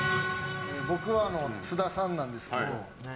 僕は、津田さんなんですけど。